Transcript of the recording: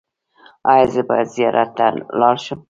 ایا زه باید زیارت ته لاړ شم؟